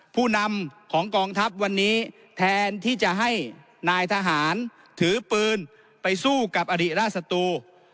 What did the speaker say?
ผู้นำของกองทัพวันนี้แทนที่จะให้นายทหารถือปืนไปสู้กับอดีตราชศัตรู